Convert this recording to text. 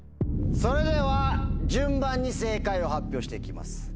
それでは順番に正解を発表して行きます。